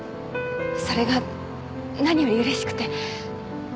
それが何より嬉しくて。